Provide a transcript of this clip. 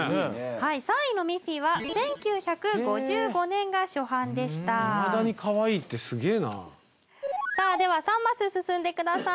はい３位のミッフィーは１９５５年が初版でしたいまだにかわいいってすげえなあさあでは３マス進んでください